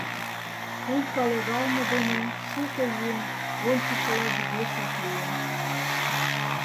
Пулька логалме дене шуко еҥ вончышыла вӱдешак лийын.